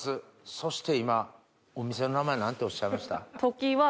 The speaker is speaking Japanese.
そして今お店の名前何ておっしゃいました？